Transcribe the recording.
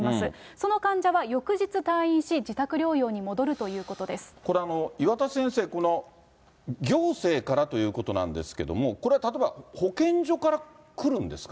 その患者は翌日退院し、これ、岩田先生、この、行政からということなんですけども、これ、例えば保健所から来るんですか？